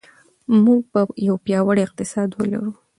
موږ به یو پیاوړی اقتصاد ولرو.